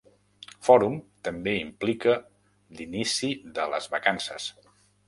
Fòrum també implica l'inici de les vacances.